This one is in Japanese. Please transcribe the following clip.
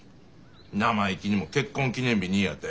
生意気にも結婚記念日にやて。